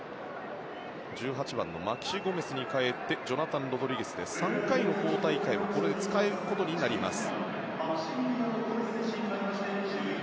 １８番のマキシ・ゴメスに代えてジョナタン・ロドリゲスが入って３回の交代機会をこれで使い切ることになります。